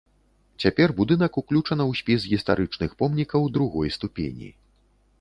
Цяпер будынак ўключана ў спіс гістарычных помнікаў другой ступені.